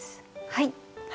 はい。